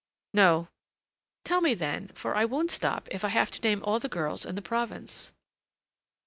"No." "Tell me, then, for I won't stop, if I have to name all the girls in the province."